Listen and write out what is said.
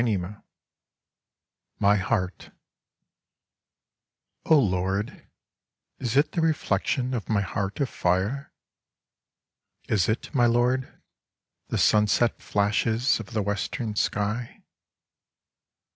io8 MY HEART .. Oh Lord, Is it the reflection of my heart of fire ? Is it, my Lord, the sunset flashes of the Western sky